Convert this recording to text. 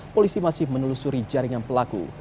polisi masih menelusuri jaringan pelaku